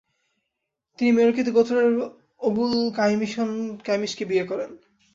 তিনি মেরকিত গোত্রের ওগুল কাইমিশকে বিয়ে করেন।